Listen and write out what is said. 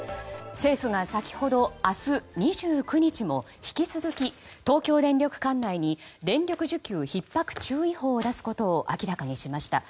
政府が先ほど明日２９日も引き続き東京電力管内に電力需給ひっ迫注意報を出すことを明らかにしました。